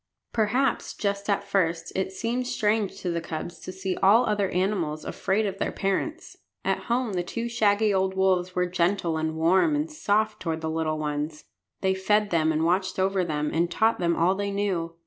Perhaps, just at first, it seemed strange to the cubs to see all other animals afraid of their parents. At home the two shaggy old wolves were gentle and warm and soft toward the little ones. They fed them and watched over them and taught them all they knew.